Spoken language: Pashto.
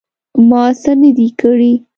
_ما څه نه دي کړي.